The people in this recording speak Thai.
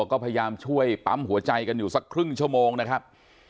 ก็พยายามช่วยปั๊มหัวใจกันอยู่สักครึ่งชั่วโมงนะครับ